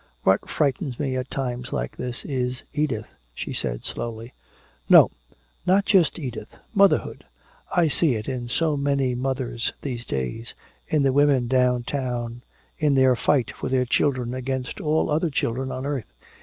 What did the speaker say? What frightens me at times like this is Edith," she said slowly. "No, not just Edith motherhood. I see it in so many mothers these days in the women downtown, in their fight for their children against all other children on earth.